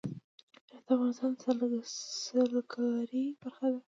هرات د افغانستان د سیلګرۍ برخه ده.